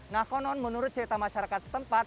nah konon menurut cerita masyarakat setempat